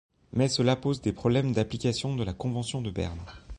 Mais cela pose des problèmes d’application de la Convention de Berne.